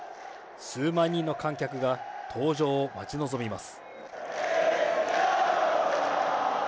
数万人の観客が登場を待ち望みます。